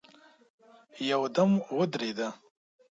يودم ودرېده.